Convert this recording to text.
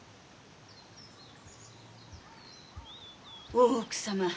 大奥様